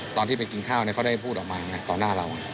ตอนที่ไปกินข้าวเขาได้พูดออกมาต่อหน้าเรา